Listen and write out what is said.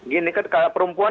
gini kalau perempuan